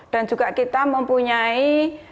dan juga kita mempunyai